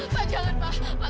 pak jangan pak